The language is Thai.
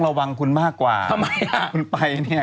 เอาเอาอะไร